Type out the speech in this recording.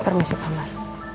terima kasih pak amar